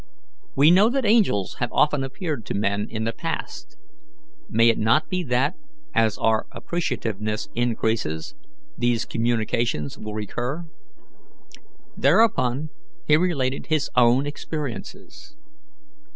We know that angels have often appeared to men in the past. May it not be that, as our appreciativeness increases, these communications will recur?" Thereupon he related his own experiences.